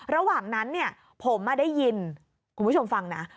ระหว่างนั้นเนี่ยผมได้ยินคุณผู้ชมฟังนะ